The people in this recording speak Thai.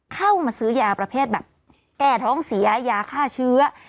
เข้ามาซื้อยาประเภทแบบแก้ท้องเสียยาฆ่าเชื้อ